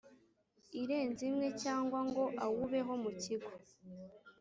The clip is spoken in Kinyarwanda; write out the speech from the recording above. Irenze imwe cyangwa ngo awubeho mu kigo